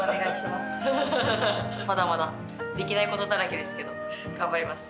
まだまだできないことだらけですけど頑張ります。